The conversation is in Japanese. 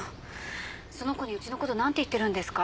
その子にうちのことなんて言ってるんですか？